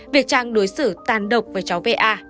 việc trang đối xử tan độc với cháu v a